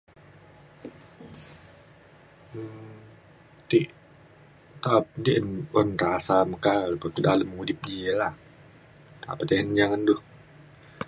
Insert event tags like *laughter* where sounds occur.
um ti- ta- *unintelligible* un kasa meka dalem udip ji la *unintelligible* ngen du